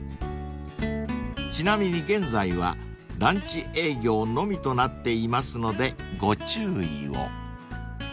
［ちなみに現在はランチ営業のみとなっていますのでご注意を］